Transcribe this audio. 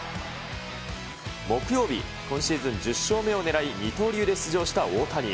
木曜日、今シーズン１０勝目を狙い、二刀流で出場した大谷。